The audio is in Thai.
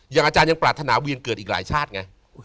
อย่างอาจารย์ยังปรารถนาเวียนเกิดอีกหลายชาติไง